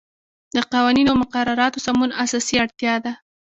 د قوانینو او مقرراتو سمون اساسی اړتیا ده.